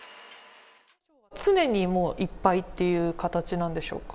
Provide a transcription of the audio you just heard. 常にもういっぱいっていう形なんでしょうか？